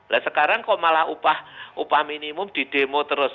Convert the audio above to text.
nah sekarang kok malah upah minimum di demo terus